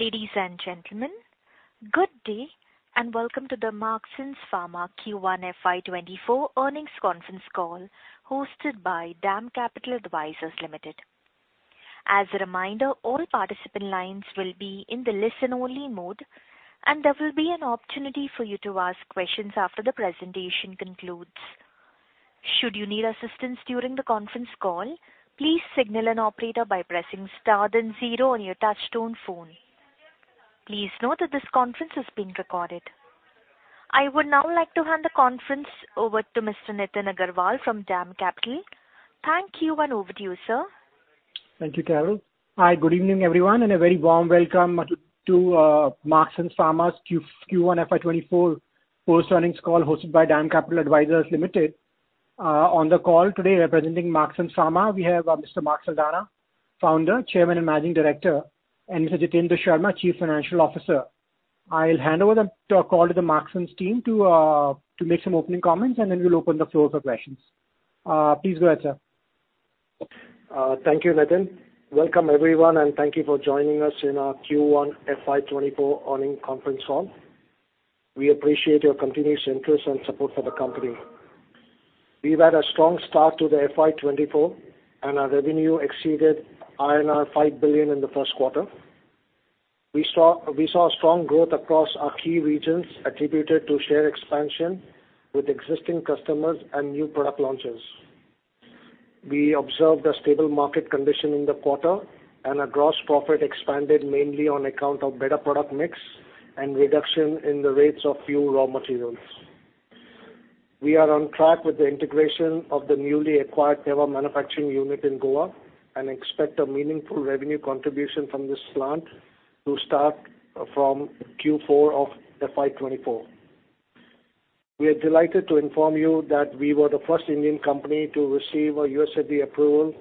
Ladies and gentlemen, good day, and welcome to the Marksans Pharma Q1 FY24 earnings conference call, hosted by DAM Capital Advisors Limited. As a reminder, all participant lines will be in the listen-only mode, and there will be an opportunity for you to ask questions after the presentation concludes. Should you need assistance during the conference call, please signal an operator by pressing star then zero on your touch-tone phone. Please note that this conference is being recorded. I would now like to hand the conference over to Mr. Nitin Agarwal from DAM Capital. Thank you, and over to you, sir. Thank you, Carol. Hi, good evening, everyone, a very warm welcome to Marksans Pharma's Q1 FY2024 post-earnings call, hosted by DAM Capital Advisors Limited. On the call today, representing Marksans Pharma, we have Mr. Mark Saldanha, Founder, Chairman, and Managing Director, Mr. Jitendra Sharma, Chief Financial Officer. I'll hand over the call to the Marksans team to make some opening comments, then we'll open the floor for questions. Please go ahead, sir. Thank you, Nitin. Welcome, everyone, and thank you for joining us in our Q1 FY24 earning conference call. We appreciate your continuous interest and support for the company. We've had a strong start to the FY 2024, and our revenue exceeded INR 5 billion in the first quarter. We saw strong growth across our key regions, attributed to share expansion with existing customers and new product launches. We observed a stable market condition in the quarter, and our gross profit expanded mainly on account of better product mix and reduction in the rates of few raw materials. We are on track with the integration of the newly acquired Teva manufacturing unit in Goa and expect a meaningful revenue contribution from this plant to start from Q4 of FY 2024. We are delighted to inform you that we were the first Indian company to receive a USFDA approval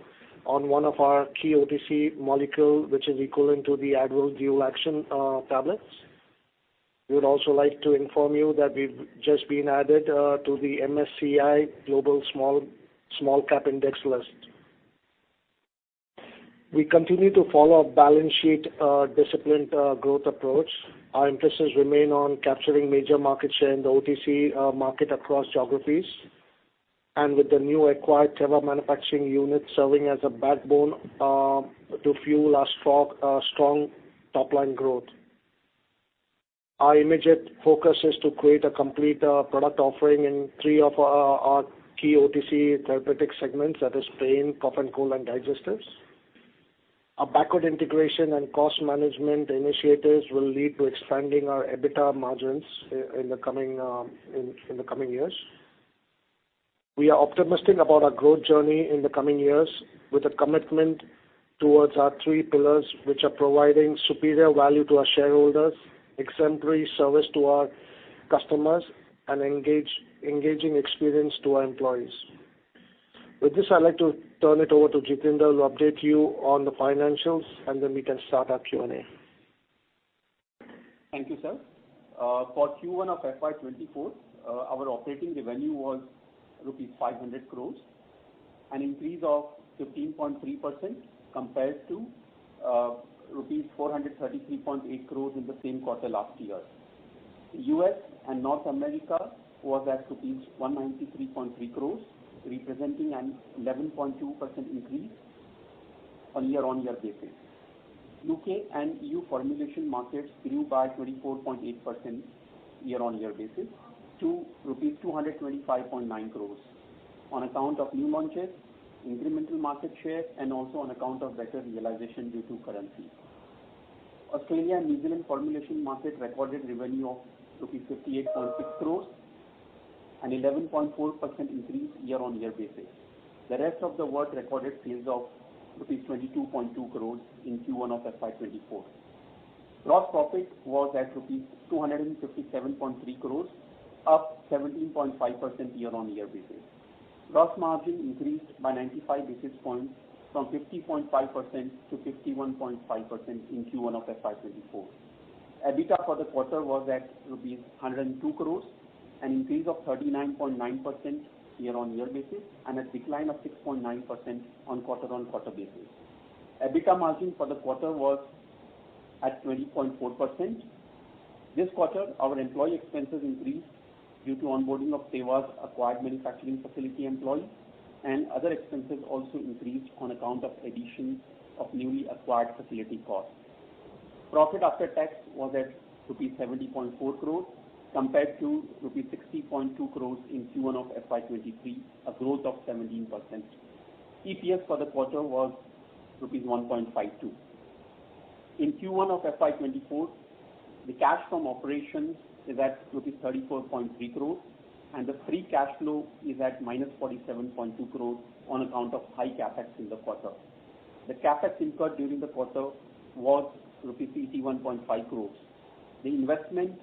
on one of our key OTC molecule, which is equivalent to the Advil Dual Action tablets. We would also like to inform you that we've just been added to the MSCI Global Small, Small Cap Index list. We continue to follow a balance sheet, disciplined, growth approach. Our emphasis remain on capturing major market share in the OTC market across geographies, and with the new acquired Teva manufacturing unit serving as a backbone to fuel our strong, strong top-line growth. Our immediate focus is to create a complete product offering in three of our, our key OTC therapeutic segments, that is pain, cough and cold, and digestive. Our backward integration and cost management initiatives will lead to expanding our EBITDA margins in the coming years. We are optimistic about our growth journey in the coming years with a commitment towards our three pillars, which are providing superior value to our shareholders, exemplary service to our customers, and engaging experience to our employees. With this, I'd like to turn it over to Jitendra, who will update you on the financials, and then we can start our Q&A. Thank you, sir. For Q1 FY 2024, our operating revenue was rupees 500 crore, an increase of 15.3% compared to rupees 433.8 crore in the same quarter last year. U.S. and North America was at rupees 193.3 crore, representing an 11.2% increase on a year-on-year basis. U.K. and EU formulation markets grew by 24.8% year-on-year basis to rupees 225.9 crore on account of new launches, incremental market share, and also on account of better realization due to currency. Australia and New Zealand formulation market recorded revenue of rupees 58.6 crore, an 11.4% increase year-on-year basis. The rest of the world recorded sales of rupees 22.2 crore in Q1 FY24. Gross profit was at rupees 257.3 crores, up 17.5% year-on-year basis. Gross margin increased by 95 basis points, from 50.5% to 51.5% in Q1 of FY 2024. EBITDA for the quarter was at rupees 102 crores, an increase of 39.9% year-on-year basis, and a decline of 6.9% on quarter-on-quarter basis. EBITDA margin for the quarter was at 20.4%. This quarter, our employee expenses increased due to onboarding of Teva's acquired manufacturing facility employees, and other expenses also increased on account of addition of newly acquired facility costs. Profit after tax was at rupees 70.4 crores, compared to rupees 60.2 crores in Q1 of FY 2023, a growth of 17%. EPS for the quarter was rupees 1.52. In Q1 of FY 2024, the cash from operations is at rupees 34.3 crore, and the free cash flow is at minus 47.2 crore on account of high CapEx in the quarter. The CapEx incurred during the quarter was 81.5 crore rupees.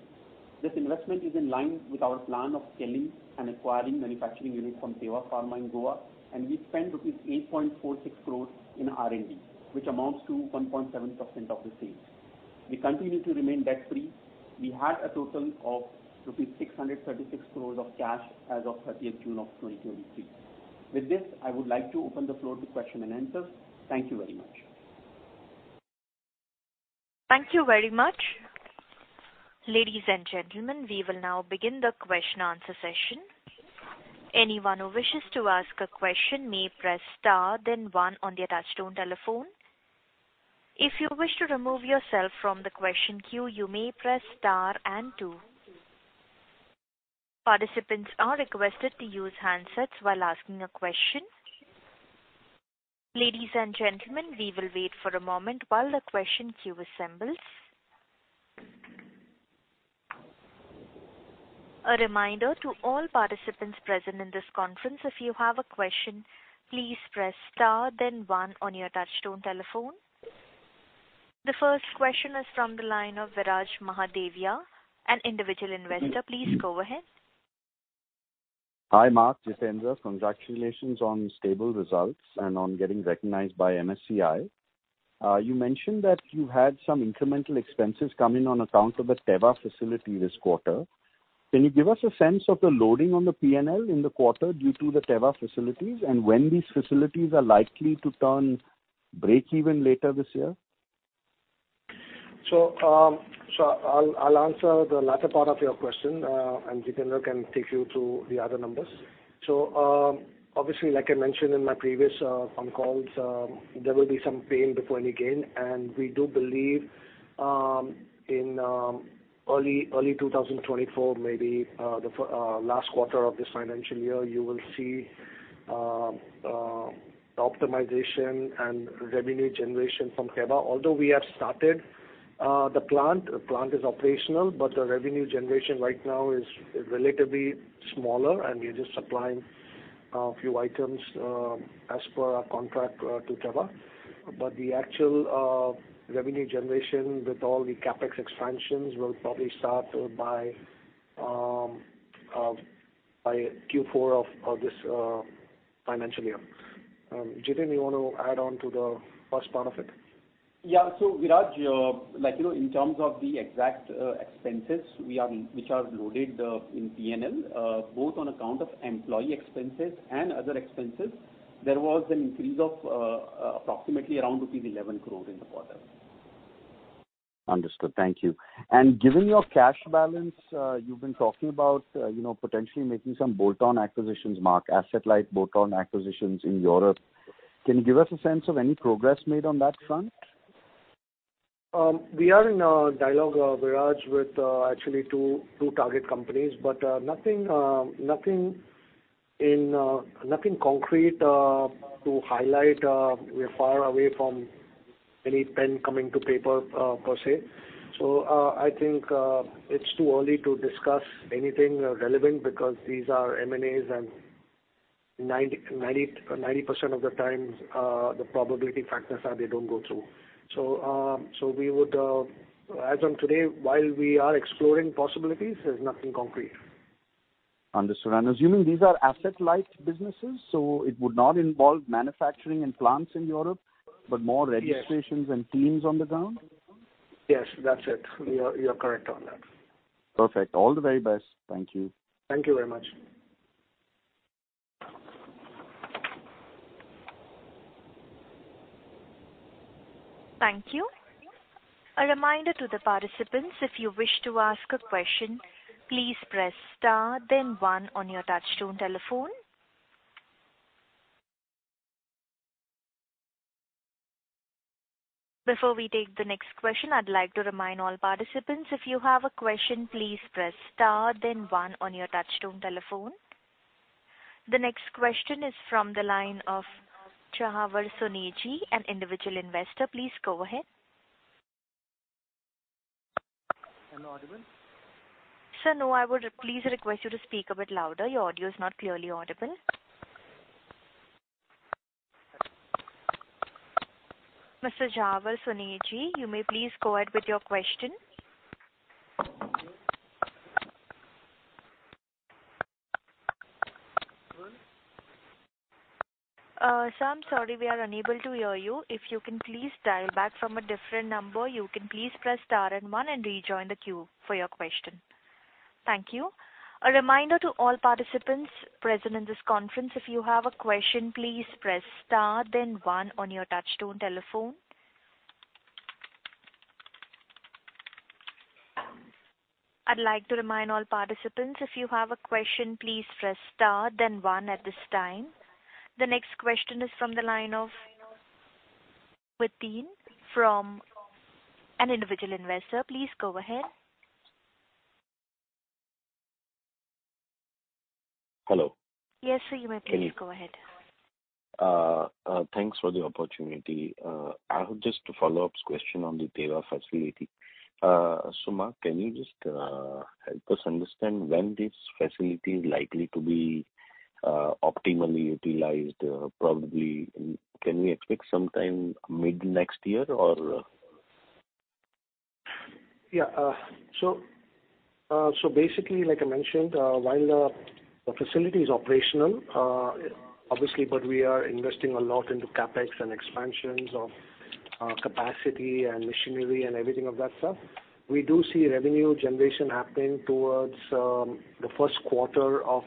This investment is in line with our plan of scaling and acquiring manufacturing unit from Teva Pharma in Goa. We spent rupees 8.46 crore in R&D, which amounts to 1.7% of the sales. We continue to remain debt-free. We had a total of rupees 636 crore of cash as of 30 of June of 2023. With this, I would like to open the floor to question and answers. Thank you very much. Thank you very much. Ladies and gentlemen, we will now begin the question answer session. Anyone who wishes to ask a question may press star, then one on the touchtone telephone. If you wish to remove yourself from the question queue, you may press star and two. Participants are requested to use handsets while asking a question. Ladies and gentlemen, we will wait for a moment while the question queue assembles. A reminder to all participants present in this conference, if you have a question, please press star, then one on your touchtone telephone. The first question is from the line of Viraj Mahadevia, an individual investor. Please go ahead. Hi, Mark, Jitendra. Congratulations on stable results and on getting recognized by MSCI. You mentioned that you had some incremental expenses coming on account of the Teva facility this quarter. Can you give us a sense of the loading on the P&L in the quarter due to the Teva facilities, and when these facilities are likely to turn breakeven later this year? I'll, I'll answer the latter part of your question, and Jitendra can take you through the other numbers. Obviously, like I mentioned in my previous on calls, there will be some pain before any gain, and we do believe in early 2024, maybe the last quarter of this financial year, you will see the optimization and revenue generation from Teva. Although we have started, the plant, the plant is operational, but the revenue generation right now is, is relatively smaller, and we're just supplying a few items as per our contract to Teva. The actual revenue generation with all the CapEx expansions will probably start by Q4 of this financial year. Jiten, you want to add on to the first part of it? Yeah. Viraj, like, you know, in terms of the exact expenses, which are loaded in P&L, both on account of employee expenses and other expenses, there was an increase of approximately around rupees 11 crore in the quarter. Understood. Thank you. Given your cash balance, you've been talking about, you know, potentially making some bolt-on acquisitions, Mark, asset-light bolt-on acquisitions in Europe. Can you give us a sense of any progress made on that front? We are in a dialogue, Viraj, with actually two target companies, but nothing in nothing concrete to highlight. We're far away from any pen coming to paper, per se. I think it's too early to discuss anything relevant because these are M&A, and 90% of the times, the probability factors are they don't go through. We would as on today, while we are exploring possibilities, there's nothing concrete. Understood. I'm assuming these are asset-light businesses, it would not involve manufacturing and plants in Europe. Yes. More registrations and teams on the ground? Yes, that's it. You are, you are correct on that. Perfect. All the very best. Thank you. Thank you very much. Thank you. A reminder to the participants, if you wish to ask a question, please press star, then one on your touchtone telephone. Before we take the next question, I'd like to remind all participants, if you have a question, please press star, then one on your touchtone telephone. The next question is from the line of Dhaval Soneji, an individual investor. Please go ahead. Am I audible? Sir, no, I would please request you to speak a bit louder. Your audio is not clearly audible. Mr. Dhaval Soneji, you may please go ahead with your question. Hello? Sir, I'm sorry, we are unable to hear you. If you can please dial back from a different number, you can please press star and one and rejoin the queue for your question. Thank you. A reminder to all participants present in this conference, if you have a question, please press star, then one on your touchtone telephone. I'd like to remind all participants, if you have a question, please press star, then one at this time. The next question is from the line of Mateen, from an individual investor. Please go ahead. Hello. Yes, sir, you may please go ahead. Thanks for the opportunity. I have just a follow-up question on the Teva facility. Mark, can you just help us understand when this facility is likely to be optimally utilized? Probably, can we expect sometime mid-next year, or? Yeah, basically, like I mentioned, while the facility is operational, obviously, but we are investing a lot into CapEx and expansions of capacity and machinery and everything of that stuff. We do see revenue generation happening towards the first quarter of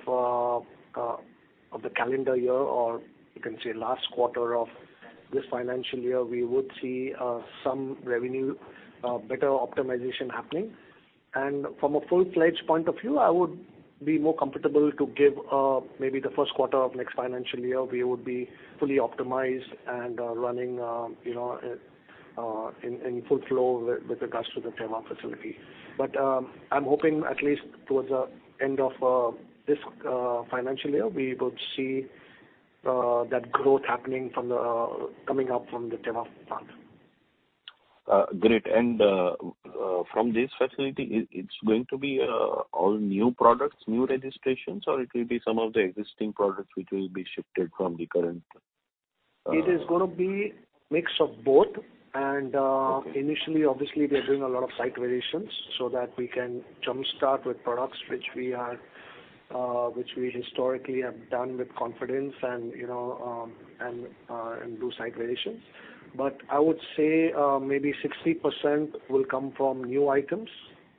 the calendar year, or you can say last quarter of this financial year, we would see some revenue better optimization happening. From a full-fledged point of view, I would be more comfortable to give, maybe the first quarter of next financial year, we would be fully optimized and running, you know, in full flow with regards to the Teva facility. I'm hoping at least towards the end of this financial year, we would see that growth happening from the coming up from the Teva plant. Great. From this facility, it's going to be all new products, new registrations, or it will be some of the existing products which will be shifted from the current? It is gonna be mix of both. Okay. Initially, obviously, we are doing a lot of site variations so that we can jump-start with products which we are, which we historically have done with confidence and, you know, and do site variations. I would say, maybe 60% will come from new items,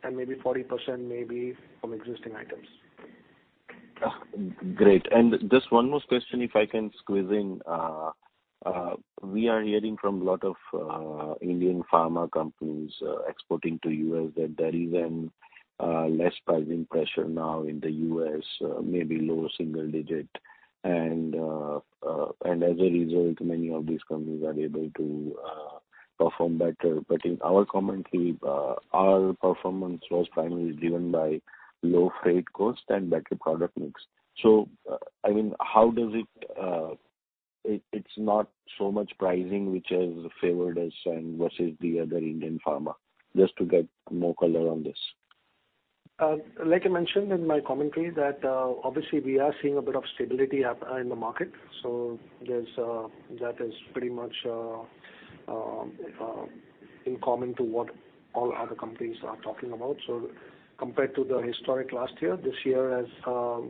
and maybe 40% maybe from existing items. Great. Just one more question, if I can squeeze in. We are hearing from a lot of Indian pharma companies, exporting to U.S., that there is an less pricing pressure now in the U.S., maybe lower single digit. As a result, many of these companies are able to perform better. In our commentary, our performance was primarily driven by low freight cost and better product mix. I mean, how does it, it, it's not so much pricing which has favored us and versus the other Indian pharma. Just to get more color on this. Like I mentioned in my commentary, that, obviously, we are seeing a bit of stability up in the market. There's, that is pretty much in common to what all other companies are talking about. Compared to the historic last year, this year as,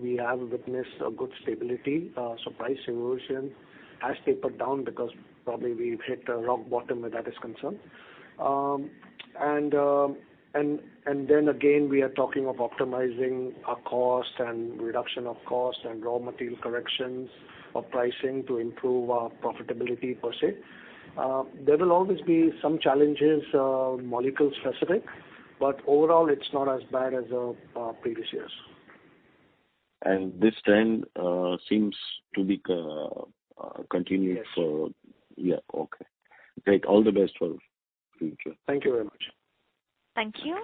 we have witnessed a good stability, so price erosion has tapered down because probably we've hit a rock bottom where that is concerned. And, and then again, we are talking of optimizing our cost and reduction of cost and raw material corrections of pricing to improve our profitability per se. There will always be some challenges, molecule-specific, but overall, it's not as bad as previous years. This trend seems to be continuing. Yes. Yeah, okay. Great. All the best for future. Thank you very much. Thank you.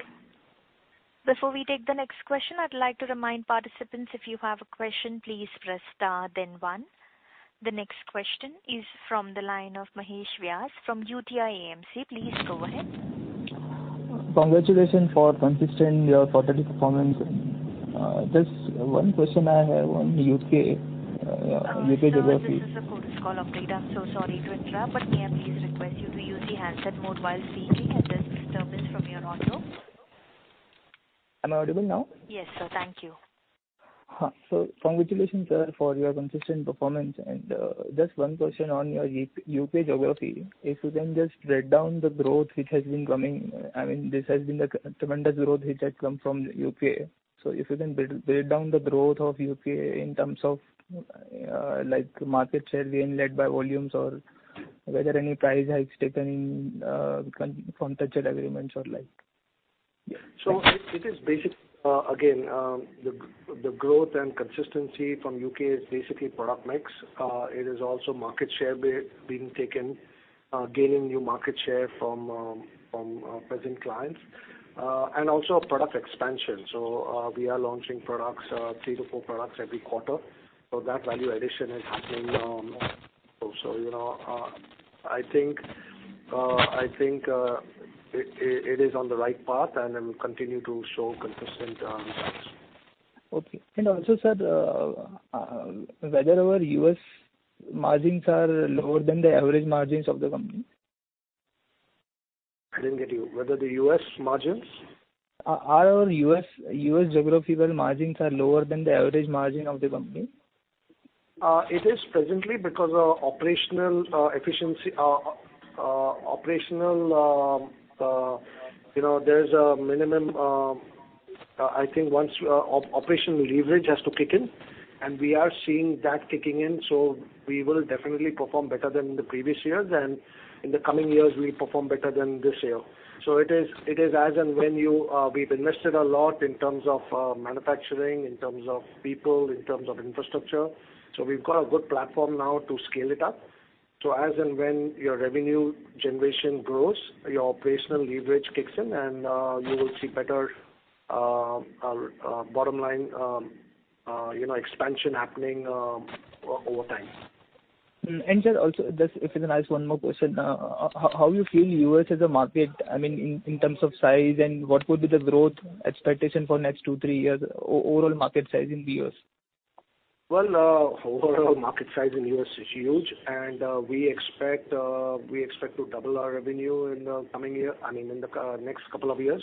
Before we take the next question, I'd like to remind participants, if you have a question, please press star then one. The next question is from the line of Mahesh Vyas from UTI AMC. Please go ahead. Congratulations for consistent, quarterly performance. Just one question I have on U.K., U.K. geography. Sir, this is a conference call operator. I'm so sorry to interrupt, but may I please request you to use the handset mode while speaking, as there's disturbance from your audio? Am I audible now? Yes, sir. Thank you. So congratulations, sir, for your consistent performance. Just one question on your U.K., U.K. geography. If you can just break down the growth which has been coming, I mean, this has been a tremendous growth which has come from U.K. If you can break down the growth of U.K. in terms of, like, market share being led by volumes or whether any price hikes taken in, from touched agreements or like? It is basically, again, the, the growth and consistency from UK is basically product mix. It is also market share being taken, gaining new market share from, from, present clients, and also product expansion. We are launching products, three to four products every quarter. That value addition is happening, also, you know, I think, I think, it, it, it is on the right path, and it will continue to show consistent, results. Okay. Also, sir, whether our U.S. margins are lower than the average margins of the company? I didn't get you. Whether the U.S. margins? Our U.S., U.S. geography, the margins are lower than the average margin of the company. It is presently because of operational efficiency, operational, you know, there's a minimum, I think once operational leverage has to kick in, and we are seeing that kicking in, so we will definitely perform better than the previous years, and in the coming years, we perform better than this year. It is, it is as and when you... We've invested a lot in terms of manufacturing, in terms of people, in terms of infrastructure. We've got a good platform now to scale it up. As and when your revenue generation grows, your operational leverage kicks in, and you will see better bottom line, you know, expansion happening over time. Hmm. Sir, also, just if I can ask one more question. How you feel U.S. as a market, I mean, in, in terms of size, and what would be the growth expectation for next two, three years, overall market size in the U.S.? Well, overall market size in U.S. is huge. We expect to double our revenue in the coming year, I mean, in the next couple of years.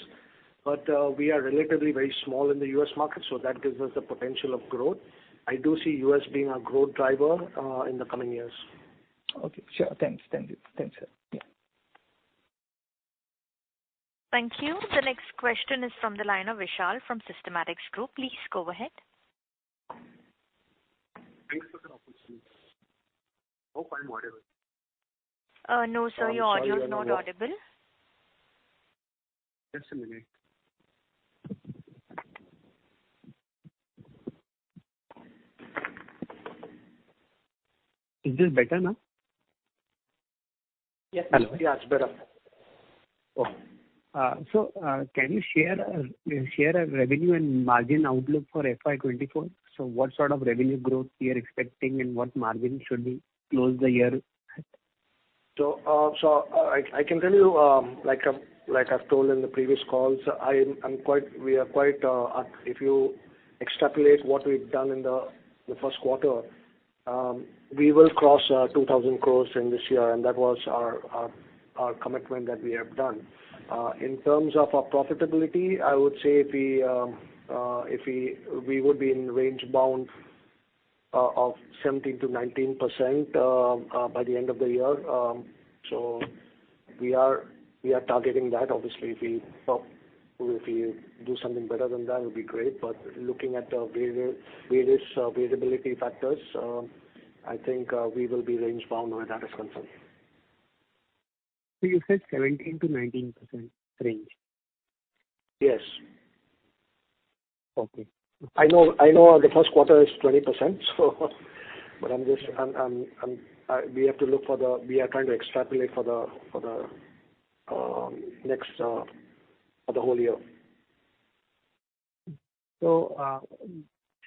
We are relatively very small in the US market, so that gives us the potential of growth. I do see U.S. being a growth driver in the coming years. Okay, sure. Thanks, thank you. Thanks, sir. Yeah. Thank you. The next question is from the line of Vishal from Systematix Group. Please go ahead. Thanks for the opportunity. Hope I'm audible. No, sir. Your audio is not audible. Just a minute. Is this better now? Yes. Hello? Yeah, it's better. Can you share share a revenue and margin outlook for FY 2024? What sort of revenue growth you are expecting, and what margin should we close the year? I, I can tell you, like, like I've told in the previous calls, I am, we are quite, if you extrapolate what we've done in the first quarter, we will cross 2,000 crore in this year, and that was our, our commitment that we have done. In terms of our profitability, I would say if we, if we, we would be in range bound, of 17%-19%, by the end of the year. We are, we are targeting that. Obviously, if we, if we do something better than that, it would be great. Looking at the various, various variability factors, I think, we will be range bound where that is concerned. You said 17%-19% range? Yes. Okay. I know, I know the first quarter is 20%, but I'm just. We have to look for the we are trying to extrapolate for the next for the whole year.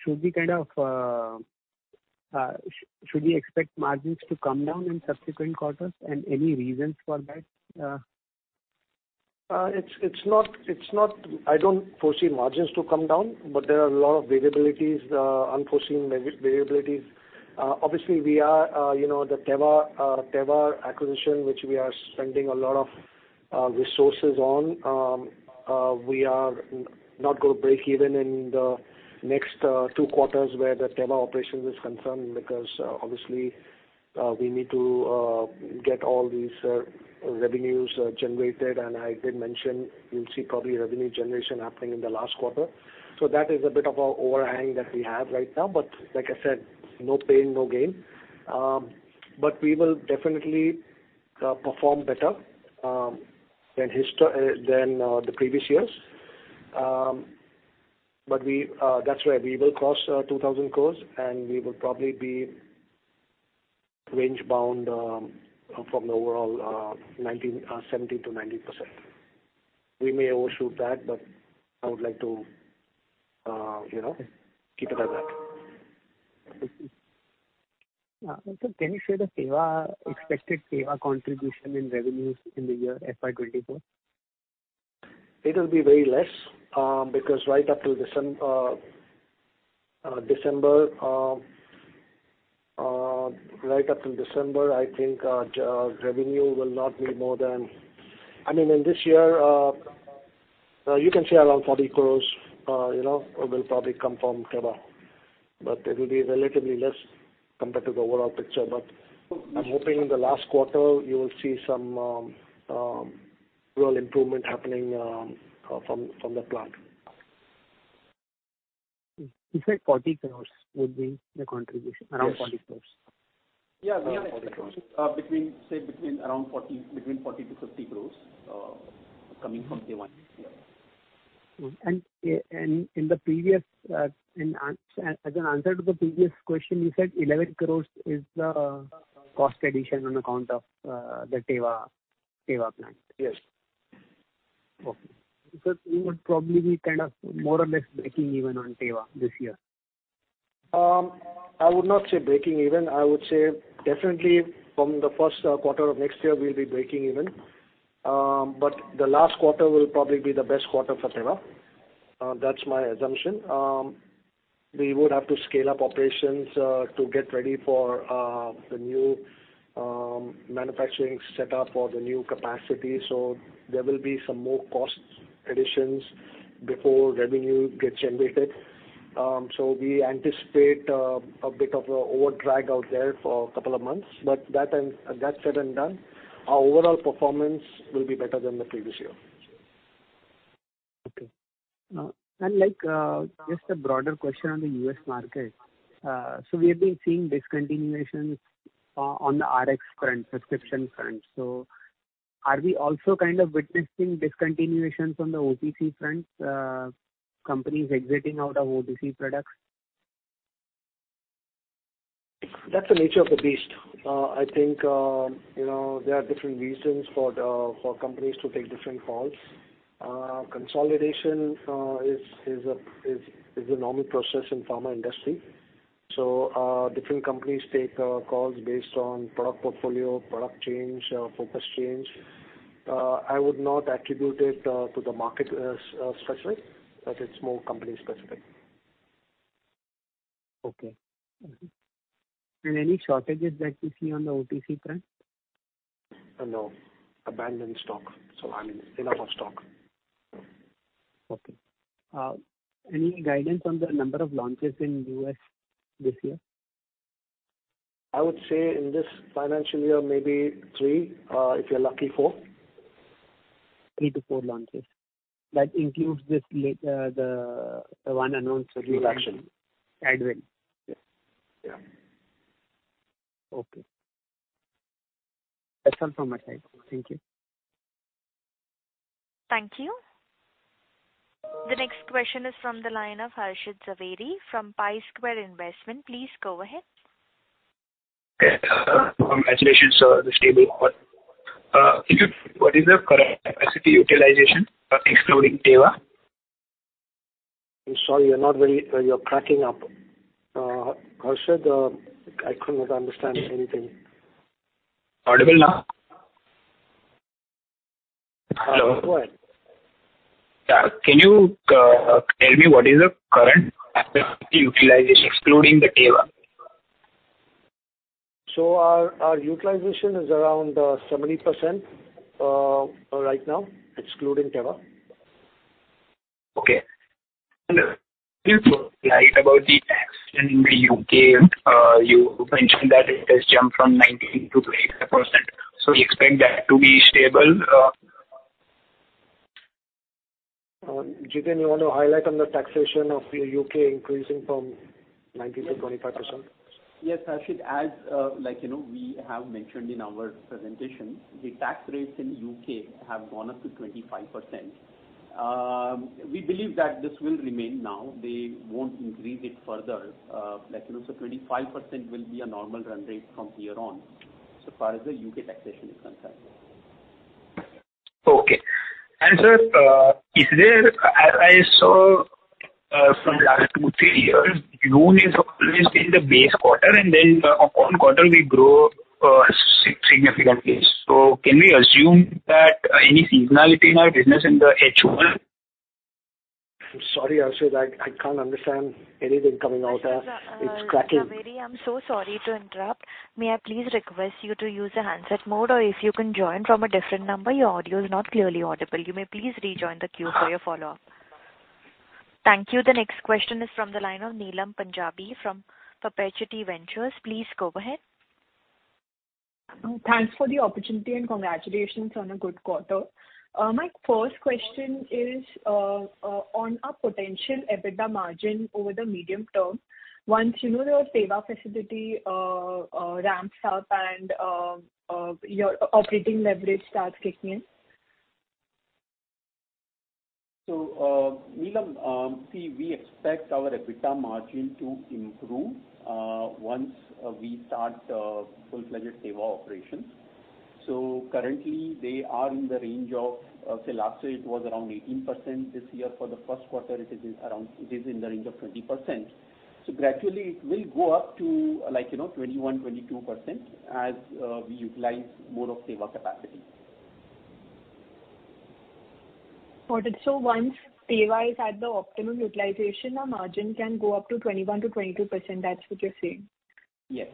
Should we kind of, should we expect margins to come down in subsequent quarters? Any reasons for that? I don't foresee margins to come down, but there are a lot of variabilities, unforeseen variabilities. We are, you know, the Teva acquisition, which we are spending a lot of resources on. We are not going to break even in the next two quarters where the Teva operation is concerned, because, obviously, we need to get all these revenues generated. I did mention you'll see probably revenue generation happening in the last quarter. That is a bit of an overhang that we have right now. But like I said, no pain, no gain. But we will definitely perform better than histo—than the previous years. We, that's right, we will cross 2,000 crore, and we will probably be range bound, from the overall 19%, 17%-19%. We may overshoot that, but I would like to, you know, keep it at that. Can you say the Teva, expected Teva contribution in revenues in the year FY 2024? It will be very less, because right up till December, right up till December, I think, revenue will not be more than, I mean, in this year, you can say around 40 crore, you know, will probably come from Teva, but it will be relatively less compared to the overall picture. I'm hoping in the last quarter, you will see some real improvement happening from, from the plant. You said 40 crore would be the contribution- Yes. Around 40 crores? Yeah, around INR 40 crores. between, say, between around 40, between 40 to 50 crores, coming from Teva, yes. In the previous, as an answer to the previous question, you said 11 crore is the cost addition on account of the Teva plant. Yes. Okay. You would probably be kind of more or less breaking even on Teva this year? I would not say breaking even. I would say definitely from the first quarter of next year, we'll be breaking even. The last quarter will probably be the best quarter for Teva. That's my assumption. We would have to scale up operations to get ready for the new manufacturing setup or the new capacity. There will be some more cost additions before revenue gets generated. We anticipate a bit of a overdrag out there for a couple of months, but that said and done, our overall performance will be better than the previous year. Okay. Just a broader question on the U.S. market. We have been seeing discontinuations on the Rx front, prescription front, are we also kind of witnessing discontinuations on the OTC front, companies exiting out of OTC products? That's the nature of the beast. I think, you know, there are different reasons for the for companies to take different calls. Consolidation is, is a, is, is a normal process in pharma industry. Different companies take calls based on product portfolio, product change, focus change. I would not attribute it to the market specifically, but it's more company specific. Okay. Mm-hmm. Any shortages that you see on the OTC front? No. Abandoned stock, so I mean, enough of stock. Okay. Any guidance on the number of launches in U.S. this year? I would say in this financial year, maybe three, if you're lucky, four. Three to four launches. That includes this late, the one announced recently. Yes. Advil. Yes. Yeah. Okay. That's all from my side. Thank you. Thank you. The next question is from the line of Hrishit Jhaveri from Pi Square Investments. Please go ahead. Yeah, congratulations, sir, on this table. Can you what is the current capacity utilization, excluding Teva? I'm sorry, you're not very... you're cracking up. Harshad, I could not understand anything. Audible now? Hello. Go ahead. Yeah. Can you, tell me what is the current capacity utilization, excluding the Teva? Our, our utilization is around, 70%, right now, excluding Teva. Okay. You slide about the tax in the U.K., you mentioned that it has jumped from 19% to 25%. You expect that to be stable? Jiten, you want to highlight on the taxation of the U.K. increasing from 19% to 25%? Yes, Hrishit, as, like, you know, we have mentioned in our presentation, the tax rates in U.K. have gone up to 25%. We believe that this will remain now. They won't increase it further. Like, you know, so 25% will be a normal run rate from here on, so far as the U.K. taxation is concerned. Okay. sir, is there, as I saw, from last two, three years, June is always in the base quarter, and then upon quarter, we grow, significantly. So can we assume that any seasonality in our business in the H1? I'm sorry, Harshad, I, I can't understand anything coming out there. It's cracking. Harshad Zaveri, I'm so sorry to interrupt. May I please request you to use the handset mode, or if you can join from a different number, your audio is not clearly audible. You may please rejoin the queue for your follow-up. Uh- Thank you. The next question is from the line of Neelam Punjabi from Perpetuity Ventures. Please go ahead. Thanks for the opportunity, and congratulations on a good quarter. My first question is on a potential EBITDA margin over the medium term. Once, you know, the Teva facility ramps up and your operating leverage starts kicking in. Neelam, see, we expect our EBITDA margin to improve once we start full-fledged Teva operations. Currently, they are in the range of, say, last year it was around 18%. This year, for the first quarter, it is around, it is in the range of 20%. Gradually, it will go up to, like, you know, 21%-22%, as we utilize more of Teva capacity. Got it. once Teva is at the optimum utilization, our margin can go up to 21%-22%, that's what you're saying? Yes.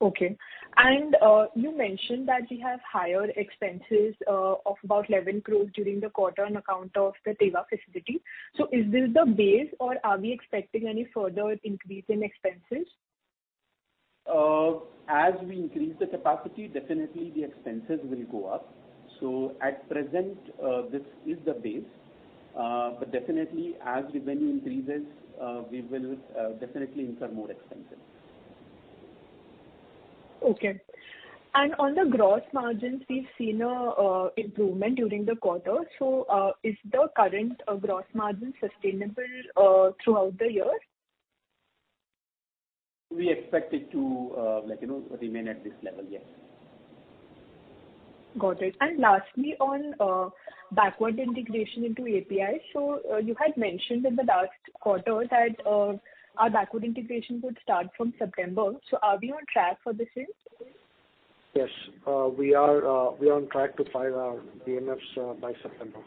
Okay. You mentioned that you have higher expenses, of about 11 crore during the quarter on account of the Teva facility. Is this the base, or are we expecting any further increase in expenses? As we increase the capacity, definitely the expenses will go up. At present, this is the base. Definitely, as the volume increases, we will definitely incur more expenses. Okay. On the gross margins, we've seen a improvement during the quarter. Is the current gross margin sustainable throughout the year? We expect it to, like, you know, remain at this level, yes. Got it. Lastly, on, backward integration into API. You had mentioned in the last quarter that, our backward integration would start from September. Are we on track for the same? Yes. We are, we are on track to file our DMF by September.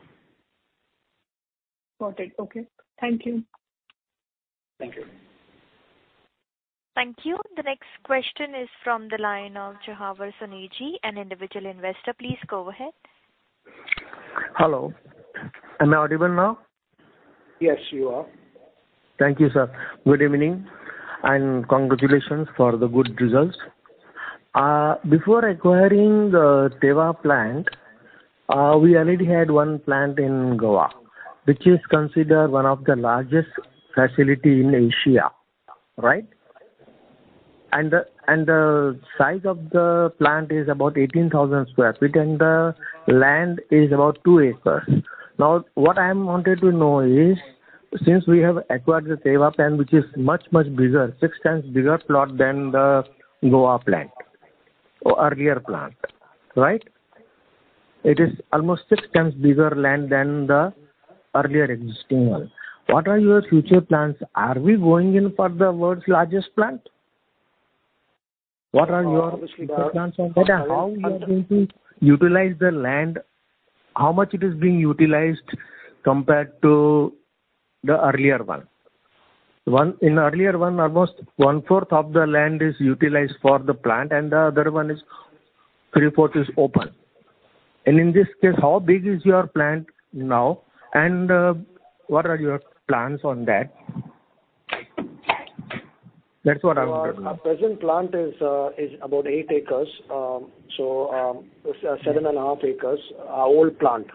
Got it. Okay. Thank you. Thank you. Thank you. The next question is from the line of Jawahar Soneji, an individual investor. Please go ahead. Hello. Am I audible now? Yes, you are. Thank you, sir. Good evening, and congratulations for the good results. Before acquiring the Teva plant, we already had one plant in Goa, which is considered one of the largest facility in Asia, right? The size of the plant is about 18,000 sq ft, and the land is about two acres. Now, what I am wanted to know is, since we have acquired the Teva plant, which is much, much bigger, 6x bigger plot than the Goa plant or earlier plant, right? It is almost 6x bigger land than the earlier existing one. What are your future plans? Are we going in for the world's largest plant? What are your future plans, and how you are going to utilize the land? How much it is being utilized compared to the earlier one? One, in earlier one, almost one-fourth of the land is utilized for the plant, and the other one is three-fourth is open. In this case, how big is your plant now, and what are your plans on that? That's what I wanted to know. Our present plant is about 8 acres, so 7.5 acres, our old plant.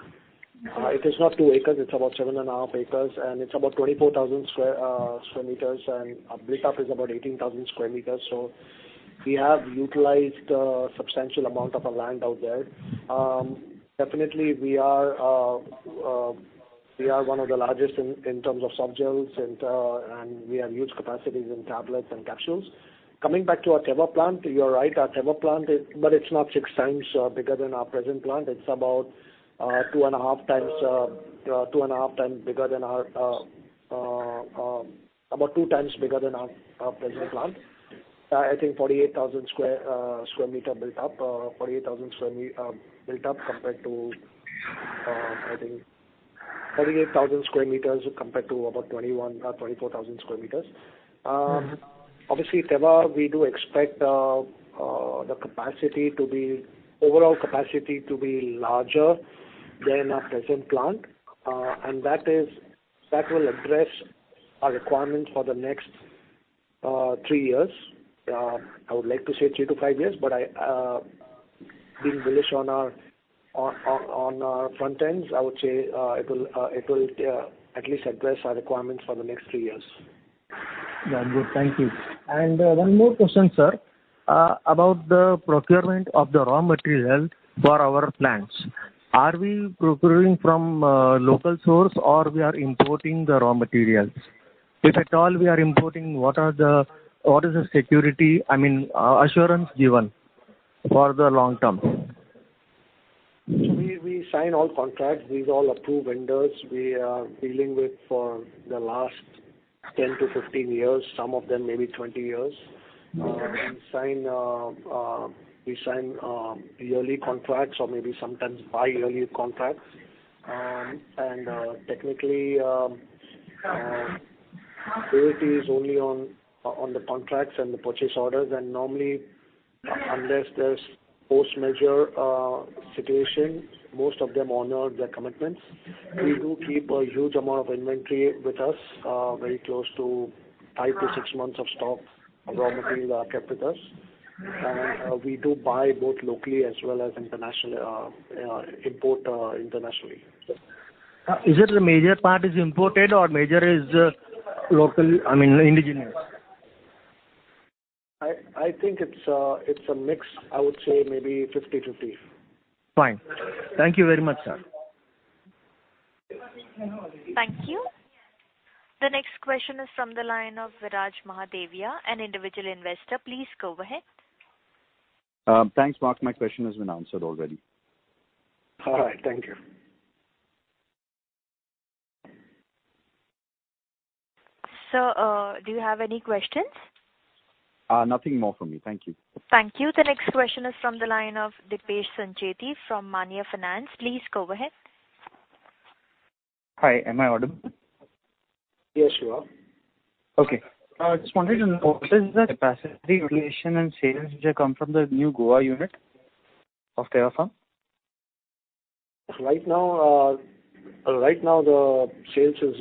It is not 2 acres, it's about 7.5 acres, and it's about 24,000 square meters, and our built-up is about 18,000 square meters. We have utilized a substantial amount of our land out there. Definitely, we are one of the largest in terms of softgels, and we have huge capacities in tablets and capsules. Coming back to our Teva plant, you're right, our Teva plant, it but it's not 6x bigger than our present plant. It's about 2.5x, 2.5x bigger than our, about 2x bigger than our, our present plant. I think 48,000 square meter built up, 48,000 square built-up compared to, I think, 38,000 sqm compared to about 21, 24,000 sqm. Obviously, Teva, we do expect the capacity to be, overall capacity to be larger than our present plant, and that will address our requirements for the next three years. I would like to say three to five years, but I, being bullish on our front ends, I would say it will at least address our requirements for the next three years. Yeah, good. Thank you. One more question, sir. About the procurement of the raw material for our plants, are we procuring from, local source, or we are importing the raw materials? If at all we are importing, what are the-- what is the security, I mean, assurance given for the long term? We, we sign all contracts. These are all approved vendors we are dealing with for the last 10 to 15 years, some of them maybe 20 years. Mm-hmm. We sign, we sign, yearly contracts or maybe sometimes bi-yearly contracts. And, technically, security is only on, on the contracts and the purchase orders, and normally, unless there's force majeure, situation, most of them honor their commitments. Mm-hmm. We do keep a huge amount of inventory with us, very close to five to six months of stock of raw materials are kept with us. Mm-hmm. We do buy both locally as well as internationally, import, internationally. Is it the major part is imported or major is, local, I mean, indigenous? I, I think it's a mix. I would say maybe 50/50. Fine. Thank you very much, sir. Thank you. The next question is from the line of Viraj Mahadevia, an individual investor. Please go ahead. Thanks, Mark, my question has been answered already. All right, thank you. Sir, do you have any questions? Nothing more from me. Thank you. Thank you. The next question is from the line of Deepesh Sancheti from MAANYA FINANCE. Please go ahead. Hi, am I audible? Yes, you are. Okay. I just wanted to know, what is the capacity utilization and sales, which have come from the new Goa unit of Teva? Right now, right now, the sales is,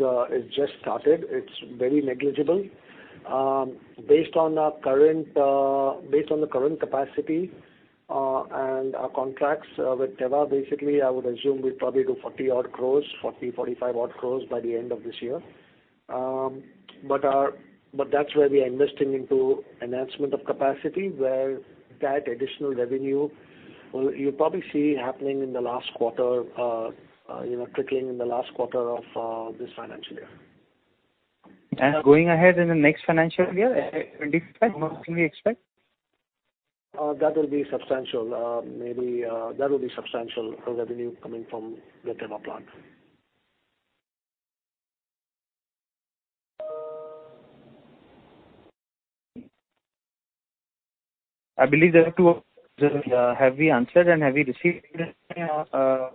is just started. It's very negligible. Based on our current, based on the current capacity, and our contracts, with Teva, basically, I would assume we'd probably do 40 odd crore, 40 crore-45 odd crore by the end of this year. But that's where we are investing into enhancement of capacity, where that additional revenue, you'll probably see happening in the last quarter, you know, trickling in the last quarter of this financial year. Going ahead in the next financial year, 2025, what can we expect? That will be substantial. Maybe that will be substantial revenue coming from the Teva plant. I believe there are two... have we answered and have we received answers? I'm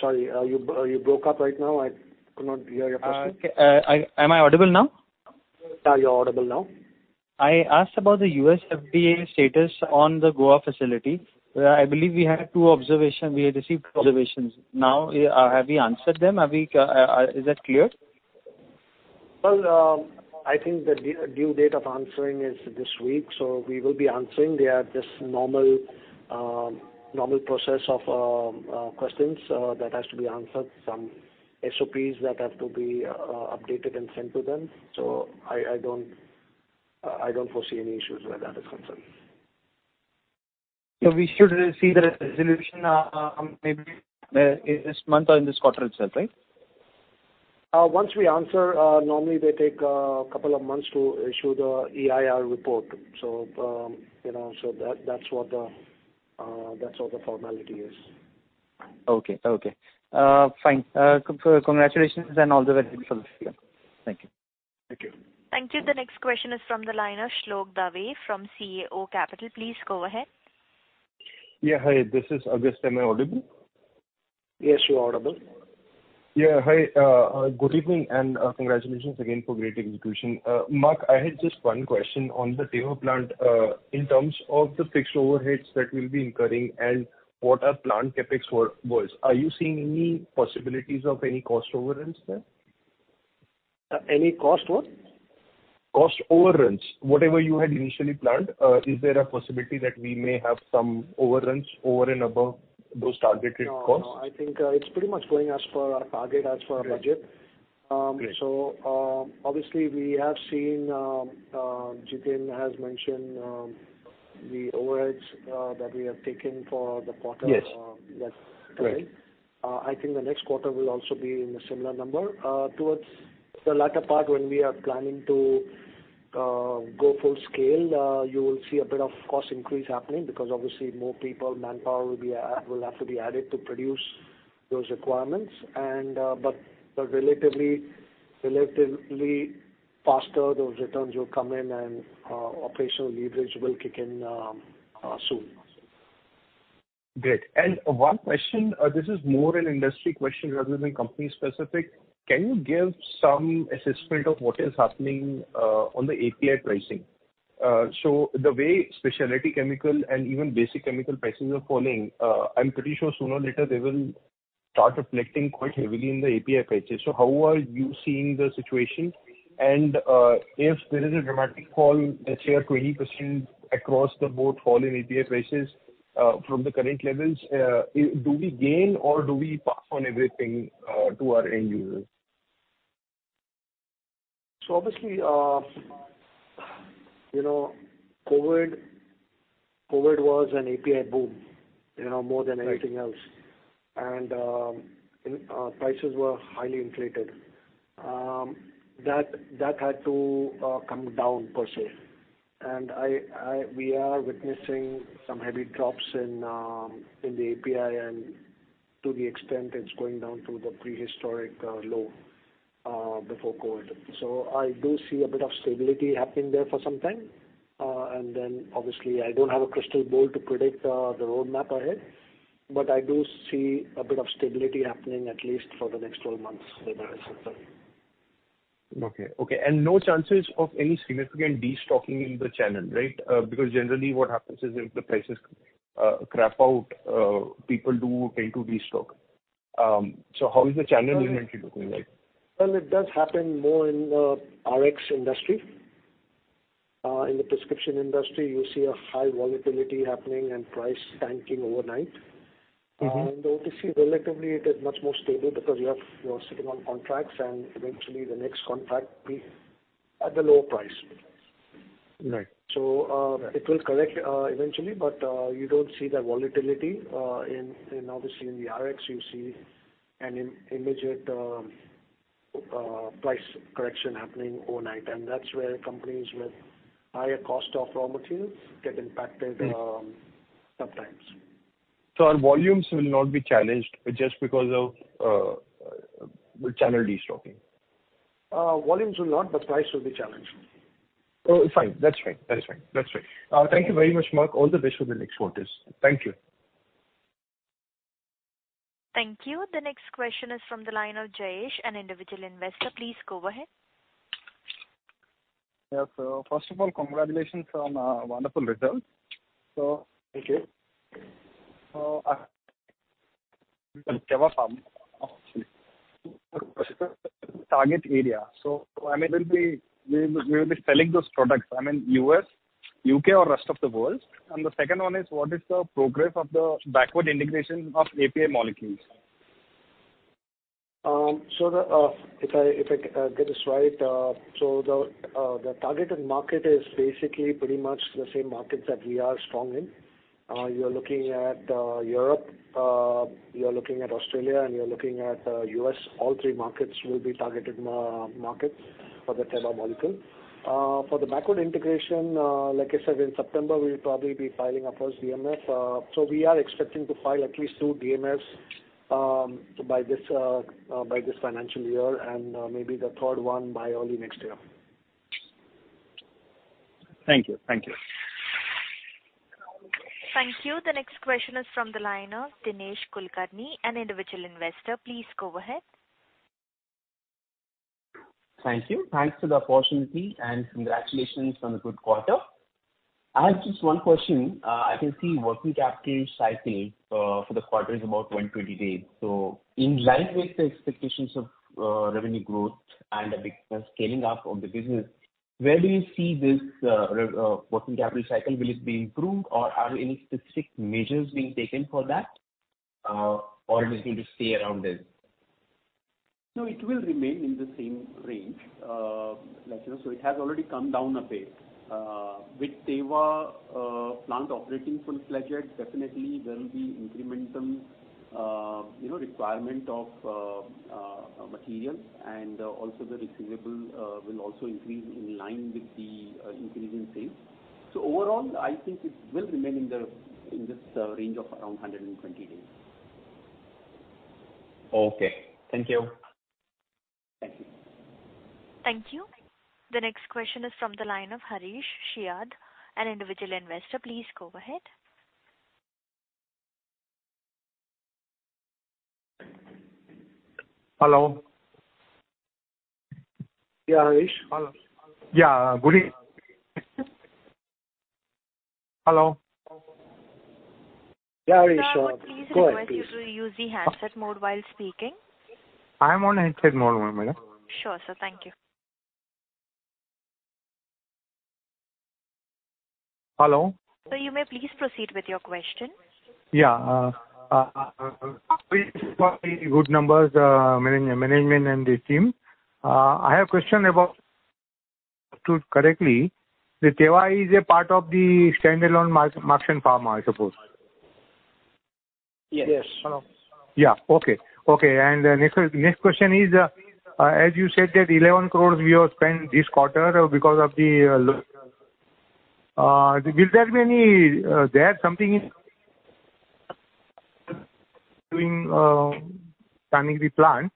sorry, you, you broke up right now. I could not hear your question. Okay. Am I audible now? Yeah, you're audible now. I asked about the USFDA status on the Goa facility, where I believe we had two observation. We had received observations. Now, have you answered them? Have we, is that clear? I think the due date of answering is this week, we will be answering. They are just normal, normal process of questions that has to be answered, some SOPs that have to be updated and sent to them. I don't, I don't foresee any issues where that is concerned. we should see the resolution, maybe, in this month or in this quarter itself, right? once we answer, normally they take two months to issue the EIR report. you know, so that's what the formality is. Okay, okay. Fine. Congratulations, and all the very best for you. Thank you. Thank you. Thank you. The next question is from the line of Shlok Dave, from CAO Capital. Please go ahead. Yeah, hi, this is August. Am I audible? Yes, you are audible. Yeah. Hi, good evening, and congratulations again for great execution. Mark, I had just one question on the Teva plant, in terms of the fixed overheads that we'll be incurring and what our plant CapEx were, was. Are you seeing any possibilities of any cost overruns there? Any cost, what? Cost overruns. Whatever you had initially planned, is there a possibility that we may have some overruns over and above those targeted costs? No, no, I think, it's pretty much going as per our target, as per our budget. Great. Obviously, we have seen, Jiten has mentioned, the overheads, that we have taken for the quarter- Yes. last time. Great. I think the next quarter will also be in a similar number. Towards the latter part, when we are planning to go full scale, you will see a bit of cost increase happening, because obviously, more people, manpower will have to be added to produce those requirements. The relatively, relatively faster those returns will come in and operational leverage will kick in soon. Great. One question, this is more an industry question rather than company-specific. Can you give some assessment of what is happening on the API pricing? The way specialty chemical and even basic chemical prices are falling, I'm pretty sure sooner or later they will start affecting quite heavily in the API prices. How are you seeing the situation? If there is a dramatic fall, let's say, 20% across the board fall in API prices, from the current levels, do we gain or do we pass on everything to our end users? Obviously, you know, COVID, COVID was an API boom, you know, more than anything else. Right. Prices were highly inflated. That, that had to come down per se. We are witnessing some heavy drops in the API, and to the extent it's going down to the prehistoric low before COVID. I do see a bit of stability happening there for some time. Then obviously, I don't have a crystal ball to predict the roadmap ahead, but I do see a bit of stability happening at least for the next 12 months there as well. Okay, okay. No chances of any significant destocking in the channel, right? Because generally, what happens is, if the prices crap out, people do tend to destock. So how is the channel inventory looking like? Well, it does happen more in the Rx industry. In the prescription industry, you see a high volatility happening and price tanking overnight. Mm-hmm. In the OTC, relatively, it is much more stable because you are, you are sitting on contracts, and eventually the next contract will be at the lower price. Right. So, uh- Right... it will correct, eventually, but you don't see that volatility. In, in obviously in the Rx, you see an immediate price correction happening overnight, and that's where companies with higher cost of raw materials get impacted, sometimes. Our volumes will not be challenged just because of the channel destocking? Volumes will not, but price will be challenged. Oh, fine. That's fine, that is fine. That's fine. Okay. Thank you very much, Mark. All the best for the next quarters. Thank you. Thank you. The next question is from the line of Jayesh, an individual investor. Please go ahead. Yes. First of all, congratulations on wonderful results. Thank you. Teva Pharm, actually. Target area. I mean, we'll be, we will be selling those products, I mean, U.S., U.K., or rest of the world? The second one is, what is the progress of the backward integration of API molecules? The, if I, if I get this right, so the, the targeted market is basically pretty much the same markets that we are strong in. You're looking at Europe, you're looking at Australia, and you're looking at U.S. All three markets will be targeted markets for the Teva molecule. For the backward integration, like I said, in September, we'll probably be filing our first DMF. We are expecting to file at least two DMFs by this, by this financial year, and maybe the third one by early next year. Thank you. Thank you. Thank you. The next question is from the line of Dinesh Kulkarni, an individual investor. Please go ahead. Thank you. Thanks for the opportunity, and congratulations on the good quarter. I have just one question. I can see working capital cycling for the quarter is about one to two days. In line with the expectations of revenue growth and the big scaling up of the business, where do you see this working capital cycle? Will it be improved, or are any specific measures being taken for that, or is it going to stay around this? No, it will remain in the same range. It has already come down a bit. With Teva plant operating full-fledged, definitely there will be incremental, you know, requirement of materials, and also the receivable will also increase in line with the increase in sales. Overall, I think it will remain in the, in this, range of around 120 days. Okay. Thank you. Thank you. Thank you. The next question is from the line of Harish Shiyad, an individual investor. Please go ahead. Hello? Yeah, Harish. Hello. Yeah, good evening. Hello? Yeah, Harish. Go ahead, please. Sir, please I request you to use the handset mode while speaking. I'm on handset mode, ma'am. Sure, sir. Thank you. Hello? Sir, you may please proceed with your question. Yeah, first of all, the good numbers, management and the team. I have a question about... correctly, that Teva is a part of the standalone Marksans Pharma, I suppose? Yes. Yeah. Okay. Okay. Next, next question is, as you said, that 11 crore you have spent this quarter because of the load. Will there be any, there something in doing, planning the plan?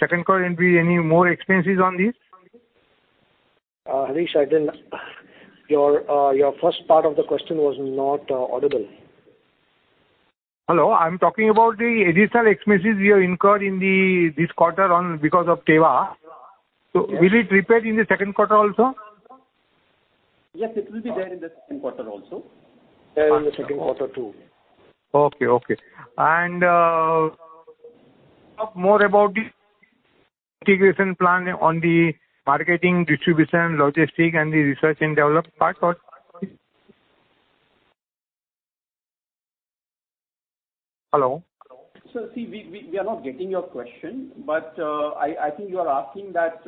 Second quarter, will be any more expenses on this? Harish, Your first part of the question was not audible. Hello, I'm talking about the additional expenses you have incurred in the, this quarter on, because of Teva. Yes. Will it repeat in the second quarter also? Yes, it will be there in the second quarter also. There in the second quarter, too. Okay, okay. More about the integration plan on the marketing, distribution, logistic, and the research and development part of it. Hello? see, we, we, we are not getting your question, but, I, I think you are asking that,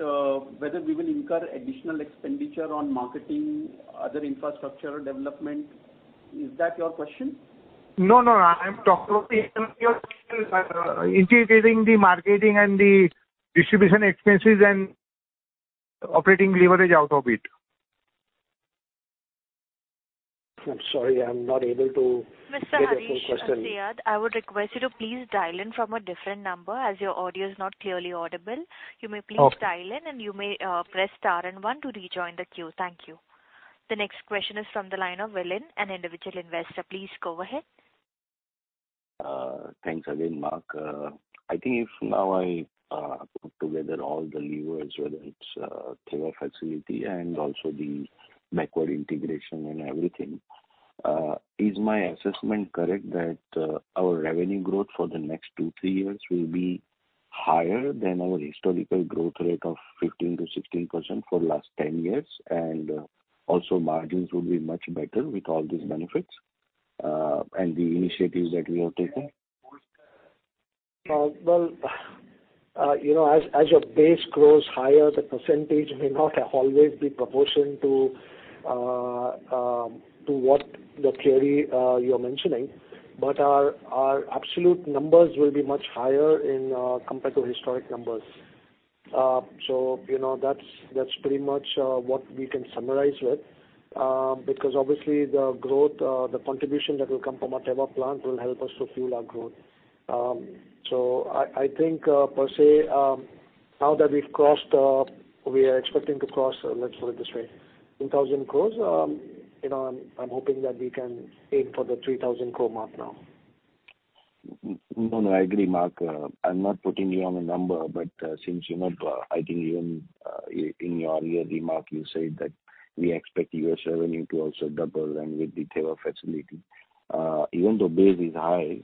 whether we will incur additional expenditure on marketing, other infrastructure development. Is that your question? No, no, I'm talking about the integrating the marketing and the distribution expenses and operating leverage out of it. I'm sorry, I'm not able to get your question. Mr. Harish Ziad, I would request you to please dial in from a different number, as your audio is not clearly audible. Okay. You may please dial in, and you may press star and one to rejoin the queue. Thank you. The next question is from the line of Willin, an individual investor. Please go ahead. Thanks again, Mark. I think if now I put together all the levers, whether it's Teva facility and also the backward integration and everything, is my assessment correct that our revenue growth for the next two, three years will be higher than our historical growth rate of 15%-16% for the last 10 years, and also margins will be much better with all these benefits and the initiatives that we have taken? Well, you know, as, as your base grows higher, the percentage may not always be proportionate to, to what the query, you're mentioning. Our, our absolute numbers will be much higher in, compared to historic numbers. You know, that's, that's pretty much, what we can summarize with, because obviously the growth, the contribution that will come from our Teva plant will help us to fuel our growth. I, I think, per se, now that we've crossed, we are expecting to cross, let's put it this way, 2,000 crore, you know, I'm, I'm hoping that we can aim for the 3,000 crore mark now. No, no, I agree, Mark. I'm not putting you on a number, but, since you know, I think even, in your earlier remark, you said that we expect U.S. revenue to also double and with the Teva facility. Even though base is high,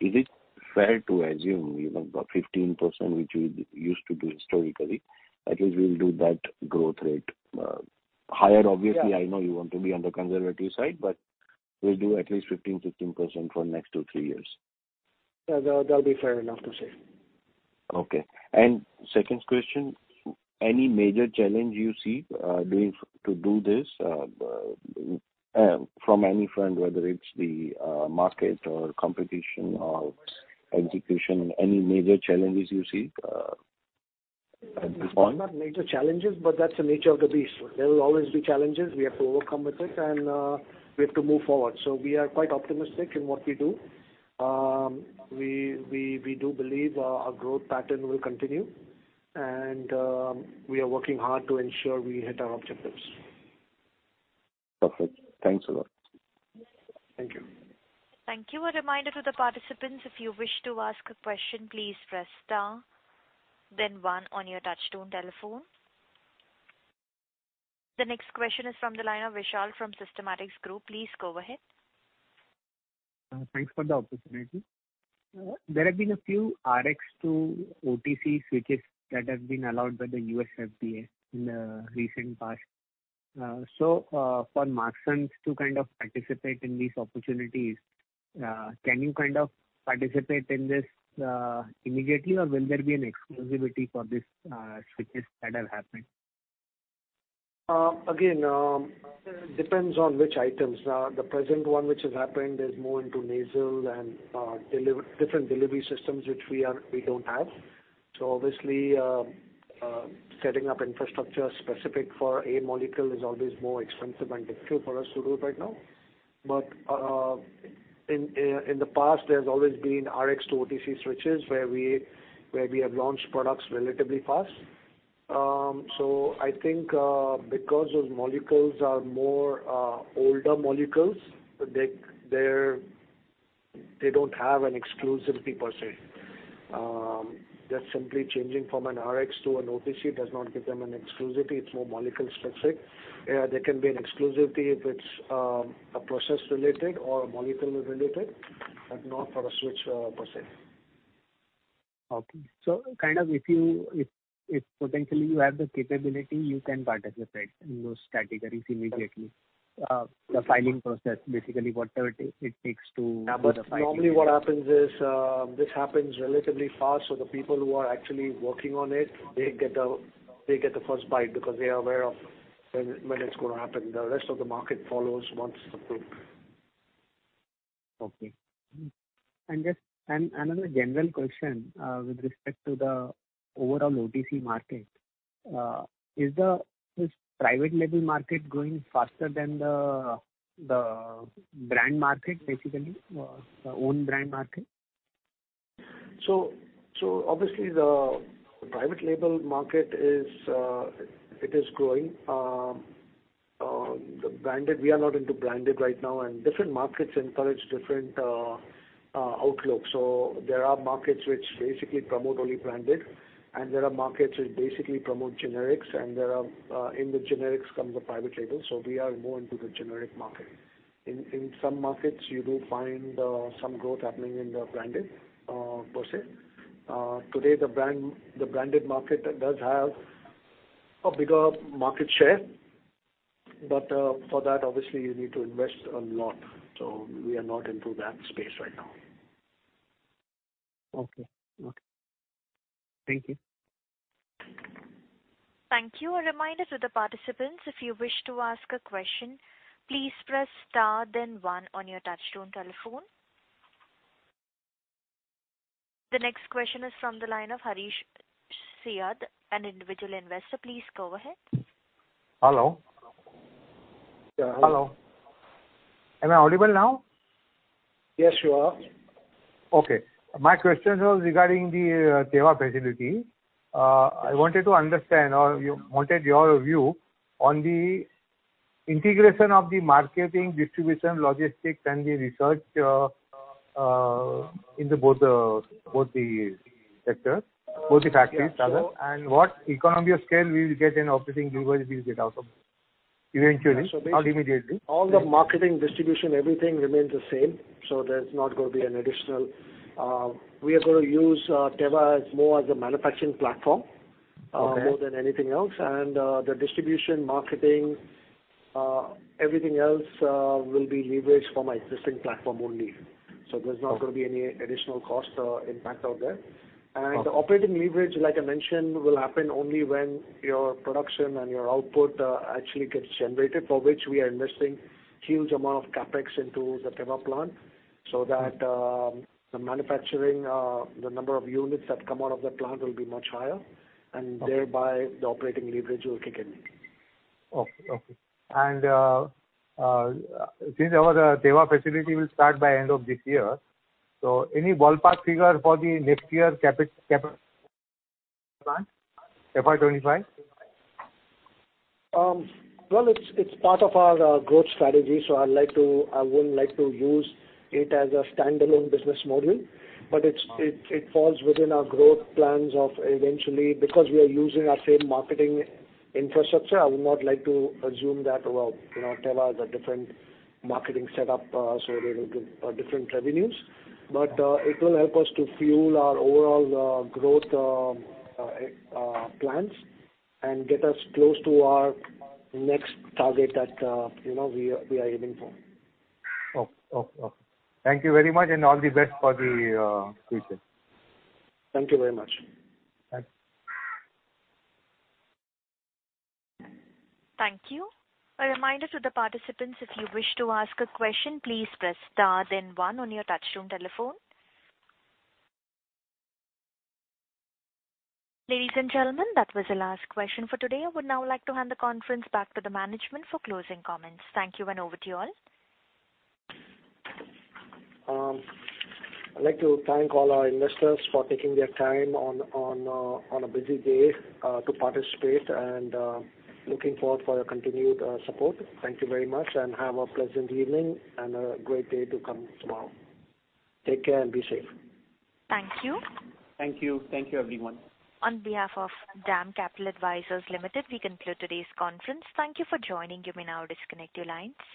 is it fair to assume even about 15%, which you used to do historically, at least we'll do that growth rate? Higher, obviously- Yeah. I know you want to be on the conservative side, but we'll do at least 15%, 16% for next two, three years. Yeah, that, that'll be fair enough to say. Okay. Second question: Any major challenge you see doing, to do this, from any front, whether it's the market or competition or execution, any major challenges you see at this point? Not major challenges, but that's the nature of the beast. There will always be challenges. We have to overcome with it, and we have to move forward. We are quite optimistic in what we do. We do believe our growth pattern will continue, and we are working hard to ensure we hit our objectives. Perfect. Thanks a lot. Thank you. Thank you. A reminder to the participants, if you wish to ask a question, please press star, then 1 on your touchtone telephone. The next question is from the line of Vishal from Systematix Group. Please go ahead. Thanks for the opportunity. There have been a few Rx to OTC switches that have been allowed by the USFDA in the recent past. For Marksans to kind of participate in these opportunities, can you kind of participate in this, immediately, or will there be an exclusivity for this, switches that have happened? Again, depends on which items. The present one which has happened is more into nasal and different delivery systems, which we don't have. Obviously, setting up infrastructure specific for a molecule is always more expensive and difficult for us to do right now. In the past, there's always been Rx to OTC switches, where we, where we have launched products relatively fast. I think because those molecules are more older molecules, they don't have an exclusivity per se. Just simply changing from an Rx to an OTC does not give them an exclusivity. It's more molecule specific. There can be an exclusivity if it's a process related or a molecule related, but not for a switch per se. Okay. So kind of if you, if, if potentially you have the capability, you can participate in those categories immediately, the filing process, basically whatever it takes. Yeah, normally what happens is, this happens relatively fast, so the people who are actually working on it, they get the, they get the first bite because they are aware of when, when it's going to happen. The rest of the market follows once approved. Okay. Just, and another general question, with respect to the overall OTC market, is the, this private label market growing faster than the, the brand market, basically, the own brand market? So obviously, the private label market is, it is growing. The branded, we are not into branded right now, and different markets encourage different outlook. There are markets which basically promote only branded, and there are markets which basically promote generics, and there are, in the generics come the private label, so we are more into the generic market. In some markets, you do find some growth happening in the branded per se. Today, the branded market does have a bigger market share, but for that, obviously, you need to invest a lot. We are not into that space right now. Okay. Okay. Thank you. Thank you. A reminder to the participants, if you wish to ask a question, please press star then one on your touchtone telephone. The next question is from the line of Harish Shiyad, an individual investor. Please go ahead. Hello? Yeah. Hello. Am I audible now? Yes, you are. Okay. My question was regarding the Teva facility. I wanted to understand or wanted your view on the integration of the marketing, distribution, logistics, and the research in the both the, both the sector, both the factories, rather. Yeah. What economy of scale we will get and operating leverage we will get out of it, eventually, not immediately. All the marketing, distribution, everything remains the same, so there's not going to be an additional, we are going to use Teva as more as a manufacturing platform- Okay. more than anything else. The distribution, marketing, everything else, will be leveraged from our existing platform only. Okay. There's not going to be any additional cost, impact out there. Okay. The operating leverage, like I mentioned, will happen only when your production and your output actually gets generated, for which we are investing huge amount of CapEx into the Teva plant, so that the manufacturing, the number of units that come out of the plant will be much higher. Okay. thereby the operating leverage will kick in. Okay, okay. Since our Teva facility will start by end of this year, any ballpark figure for the next year cap plant, FY 2025? Well, it's, it's part of our growth strategy, so I'd like to. I wouldn't like to use it as a standalone business model. Okay. it, it falls within our growth plans of eventually, because we are using our same marketing infrastructure, I would not like to assume that, well, you know, Teva is a different marketing setup, so they will give different revenues. It will help us to fuel our overall growth plans, and get us close to our next target that, you know, we are, we are aiming for. Okay. Okay, okay. Thank you very much, and all the best for the future. Thank you very much. Thanks. Thank you. A reminder to the participants, if you wish to ask a question, please press star then one on your touch-tone telephone. Ladies and gentlemen, that was the last question for today. I would now like to hand the conference back to the management for closing comments. Thank you, and over to you all. I'd like to thank all our investors for taking their time on a busy day to participate, looking forward for your continued support. Thank you very much. Have a pleasant evening and a great day to come tomorrow. Take care and be safe. Thank you. Thank you. Thank you, everyone. On behalf of DAM Capital Advisors Limited, we conclude today's conference. Thank you for joining. You may now disconnect your lines.